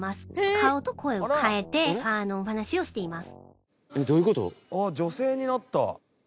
顔と声を変えてお話しをしています。